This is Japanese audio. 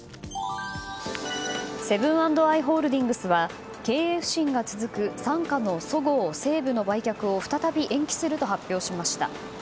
セブン＆アイ・ホールディングスは経営不振が続く傘下のそごう・西武の売却を再び延期すると発表しました。